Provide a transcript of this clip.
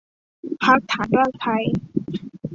พรรคฐานรากไทย